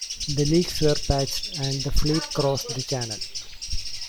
The leaks were patched and the fleet crossed the Channel.